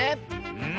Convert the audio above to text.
うん。